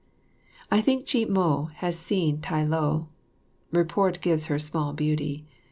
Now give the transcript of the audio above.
I think Chih mo had seen Tai lo. Report gives her small beauty.